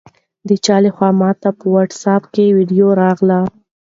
د چا لخوا ماته په واټساپ کې ویډیو راغلې ده؟